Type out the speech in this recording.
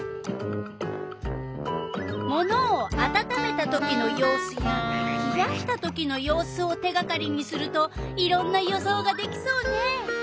「ものをあたためたときの様子」や「ひやしたときの様子」を手がかりにするといろんな予想ができそうね。